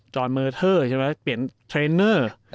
เมอร์เทอร์ใช่ไหมเปลี่ยนเทรนเนอร์